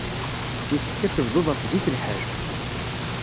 Yessefk ad tebduḍ ɣef zik lḥal.